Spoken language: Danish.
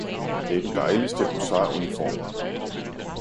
Det er den dejligste husar-uniform!